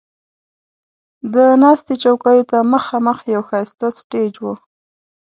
د ناستې چوکیو ته مخامخ یو ښایسته سټیج و.